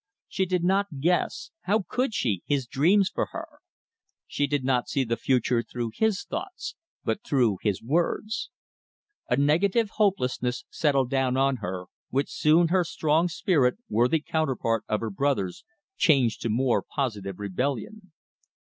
She did not guess, how could she? his dreams for her. She did not see the future through his thoughts, but through his words. A negative hopelessness settled down on her, which soon her strong spirit, worthy counterpart of her brother's, changed to more positive rebellion.